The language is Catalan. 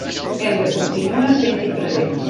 Hem de continuar essent-hi presents.